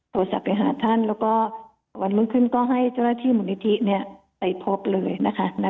โทรศัพท์ไปหาท่านแล้วก็วันรุ่งขึ้นก็ให้เจ้าหน้าที่มูลนิธิไปพบเลยนะคะ